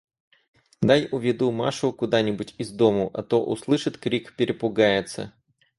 – Дай уведу Машу куда-нибудь из дому; а то услышит крик, перепугается.